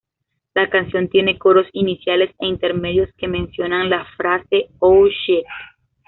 La canción tiene coros iniciales e intermedios que mencionan la frase ""Oh Shit!